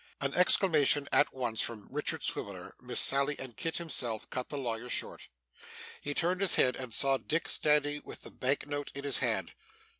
An exclamation, at once from Richard Swiveller, Miss Sally, and Kit himself, cut the lawyer short. He turned his head, and saw Dick standing with the bank note in his hand.